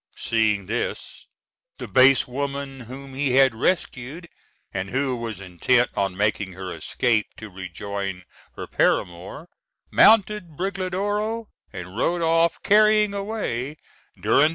Seeing this, the base woman whom he had rescued, and who was intent on making her escape to rejoin her paramour, mounted Brigliadoro, and rode off, carrying away Durindana.